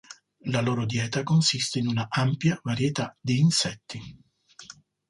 La loro dieta consiste in una ampia varietà di insetti.